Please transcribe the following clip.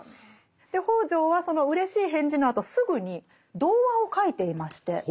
北條はそのうれしい返事のあとすぐに童話を書いていまして。